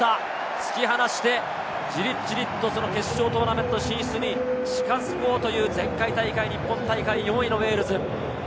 突き放して、じりじりと決勝トーナメント進出に近づこうという前回大会、日本大会４位のウェールズ。